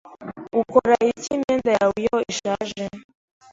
Ukora iki imyenda yawe iyo ishaje?